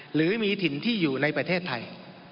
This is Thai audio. หรือมีถิ่นที่อยู่ในประเทศไทย